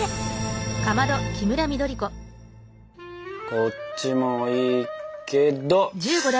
こっちもいいけどあ